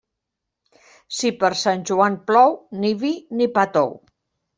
Si per Sant Joan plou, ni vi ni pa tou.